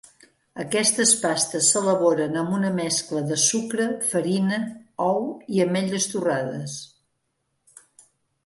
Aquestes pastes s'elaboren amb una mescla de sucre, farina, ou i ametlles torrades.